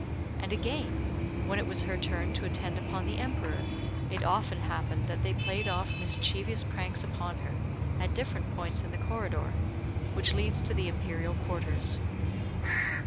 And again, when it was her turn to attend upon the Emperor, it often happened that they played off mischievous pranks upon her, at different points in the corridor, which leads to the Imperial quarters.